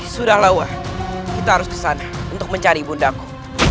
sudah wah kita harus ke sana untuk mencari ibundaku